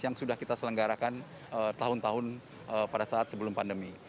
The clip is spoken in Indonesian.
yang sudah kita selenggarakan tahun tahun pada saat ini